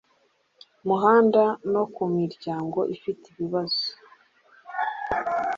muhanda no ku miryango ifite ibibazo